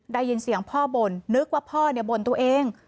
ได้ยินเสียงพ่อบ่นนึกว่าพ่อบ่นตัวเอง